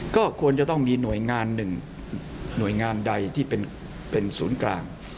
ก็ควรจะต้องมีหน่วยงานหนึ่งหน่วยงานใดที่เป็นศูนย์กลาง